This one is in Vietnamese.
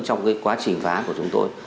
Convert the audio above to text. trong cái quá trình phá của chúng tôi